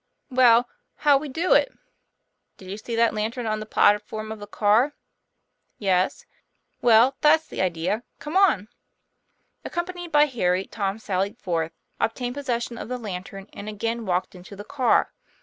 "Well, how'll we do it?" " Did you see that lantern on the platform of the car?" "Yes." "Well, that's the idea. Come on." Accompanied by Harry, Tom sallied forth, ob tained possession of the lantern, and again walked into the car.